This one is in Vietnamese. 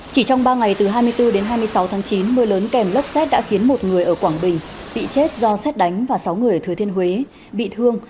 chỉ trong ba ngày từ hai mươi bốn đến hai mươi sáu tháng chín mưa lớn kèm lốc xét đã khiến một người ở quảng bình bị chết do xét đánh và sáu người ở thừa thiên huế bị thương